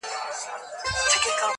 چي دي شراب، له خپل نعمته ناروا بلله~